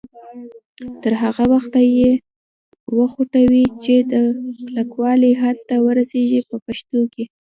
تر هغه وخته یې وخوټوئ چې د کلکوالي حد ته ورسیږي په پښتو کې.